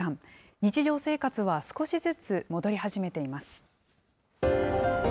日常生活は少しずつ戻り始めています。